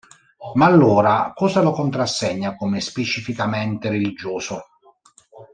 Ma allora cosa lo contrassegna come specificamente religioso?